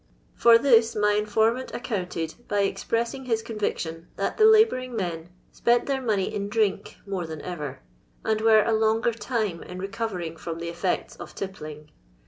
For this my infomuuit accounted by expressing his conviction that the labouring men spent their money in drink more than ever, and were a longer time in recovering from the effects of tippling.